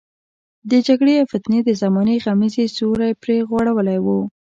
د جګړې او فتنې د زمانې غمیزې سیوری پرې غوړولی وو.